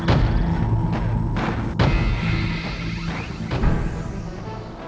tungguin aja ya